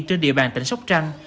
trên địa bàn tỉnh sóc trăng